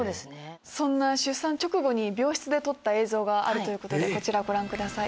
そんな出産直後に病室で撮った映像があるということでご覧ください。